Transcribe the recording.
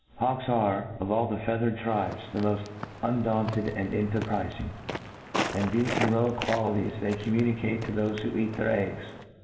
Hawks, are, of all the feathered tribes, the moft undaunt ed and enterprifmg ; and thefe heroic qualities they communicate to thofe who eat their eggs.